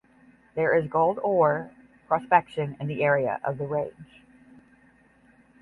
There is gold ore prospection in the area of the range.